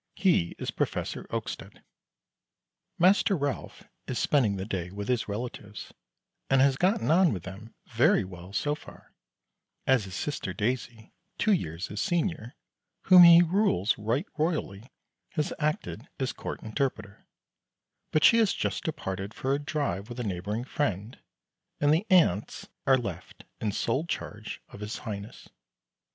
He is Professor Oakstead. Master Ralph is spending the day with his relatives, and has gotten on with them very well so far, as his sister Daisy, two years his senior, whom he rules right royally, has acted as court interpreter; but she has just departed for a drive with a neighboring friend, and the aunts are left in sole charge of his Highness.